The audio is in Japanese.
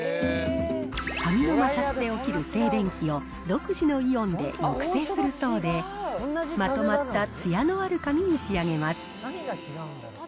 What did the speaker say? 髪の摩擦で起きる静電気を独自のイオンで抑制するそうで、まとまったつやのある髪に仕上げます。